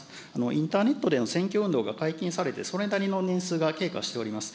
インターネットでの選挙運動が解禁されて、それなりの年数が経過しております。